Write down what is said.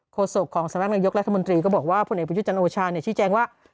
โฆษกของสมัครการยกรัฐมนตรีก็บอกว่าพ่อเหนียวพุทธจันทร์โอชาชี้แจ้งว่า